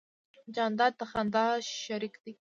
جانداد د خندا شریک دی.